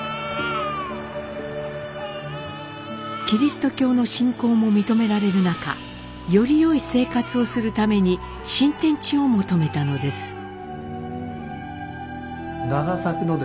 キリスト教の信仰も認められる中よりよい生活をするために新天地を求めたのです。